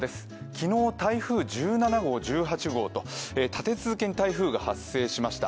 昨日台風１７号、１８号と立て続けに台風が発生しました。